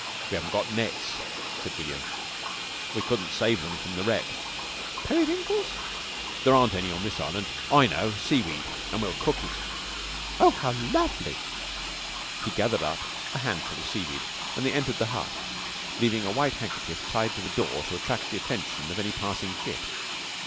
"We haven't got nets," said William. "We couldn't save them from the wreck." "Periwinkles?" "There aren't any on this island. I know! Seaweed! An' we'll cook it." "Oh, how lovely!" He gathered up a handful of seaweed and they entered the hut, leaving a white handkerchief tied on to the door to attract the attention of any passing ship.